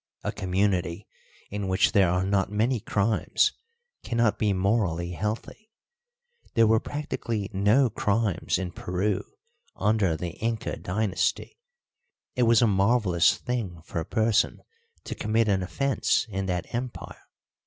A community in which there are not many crimes cannot be morally healthy. There were practically no crimes in Peru under the Inca dynasty; it was a marvellous thing for a person to commit an offence in that empire.